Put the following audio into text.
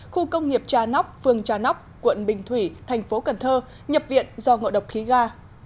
khu công nghiệp trà nóc phường trà nóc quận bình thủy thành phố cần thơ nhập viện do ngộ độc khí ga